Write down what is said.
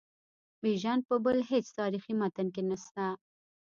بیژن په بل هیڅ تاریخي متن کې نسته.